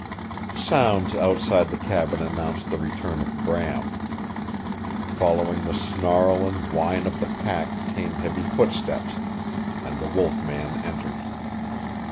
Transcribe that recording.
Sounds outside the cabin announced the return of Bram. Following the snarl and whine of the pack came heavy footsteps, and the wolf man entered.